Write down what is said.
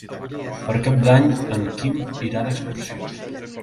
Per Cap d'Any en Quim irà d'excursió.